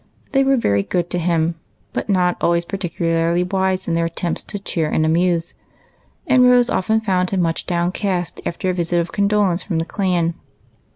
They were ^ery good to him, but not always particularly wise in their attempts to cheer and amuse ; and Rose often found him much downcast after a visit of condolence from the Clan.